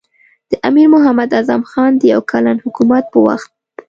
د امیر محمد اعظم خان د یو کلن حکومت په وخت.